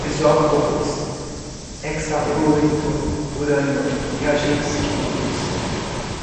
isótopos, hexafluoreto, urânio, reagentes químicos